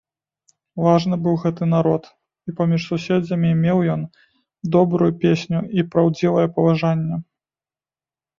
Важны быў гэты народ, і паміж суседзямі меў ён добрую песню і праўдзівае паважанне.